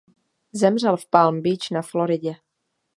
Zemřel v Palm Beach na Floridě.